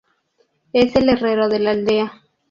Es el herrero de la aldea.